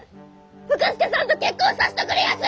福助さんと結婚さしとくれやす！